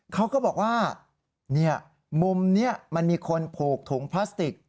เขาก็บอกว่ามุมนี้มันมีคนผูกถุงพลาสติก